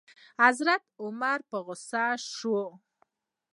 حضرت عمر په غوسه شو.